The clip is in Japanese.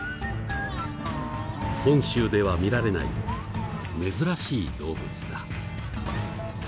本州では見られない珍しい動物だ。